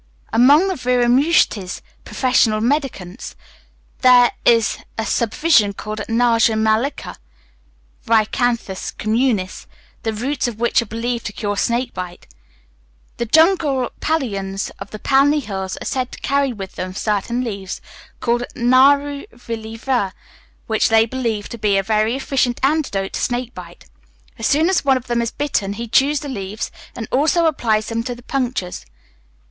Among the Viramushtis (professional mendicants), there is a subdivision called Naga Mallika (Rhinacanthus communis), the roots of which are believed to cure snake bite. The jungle Paliyans of the Palni hills are said to carry with them certain leaves, called naru valli ver, which they believe to be a very efficient antidote to snake bite. As soon as one of them is bitten, he chews the leaves, and also applies them to the punctures.